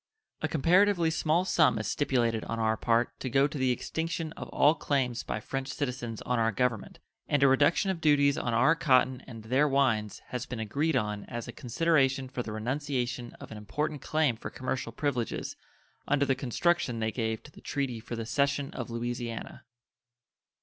A comparatively small sum is stipulated on our part to go to the extinction of all claims by French citizens on our Government, and a reduction of duties on our cotton and their wines has been agreed on as a consideration for the renunciation of an important claim for commercial privileges under the construction they gave to the treaty for the cession of Louisiana.